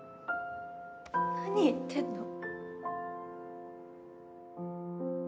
何言ってるの？